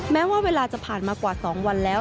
แม้ว่าเวลาจะผ่านมากว่า๒วันแล้ว